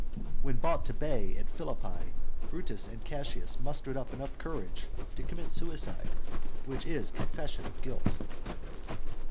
When brought to bay at Philippi, Brutus and Cassius mustered up enough courage to commit suicide, which is confession of guilt.